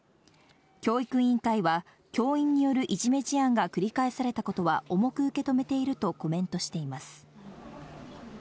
教育委員会は、教員によるいじめ事案が繰り返されたことは重く受け止めているとコメントしています。